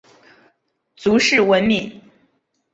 卒谥文敏。